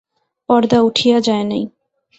পর্দা উঠিয়া যায় নাই।